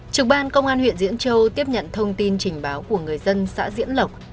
trực ban công an huyện diễn châu tiếp nhận thông tin trình báo của người dân xã diễn lộc